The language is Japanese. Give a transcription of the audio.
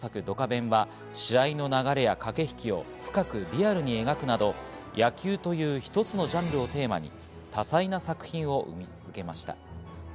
『ドカベン』は試合の流れや駆け引きを深くリアルに描くなど、野球という一つのジャンルをテーマに多彩な作品を生み続けました。